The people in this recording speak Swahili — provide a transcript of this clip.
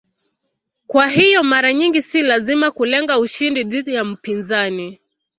Kwa hiyo mara nyingi si lazima kulenga ushindi dhidi ya mpinzani.